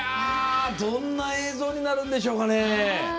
どんな映像になるんでしょうかね。